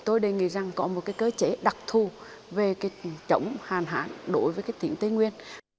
tôi đề nghị rằng có một cơ chế đặc thù về trọng hàn hạn đối với tỉnh tây nguyên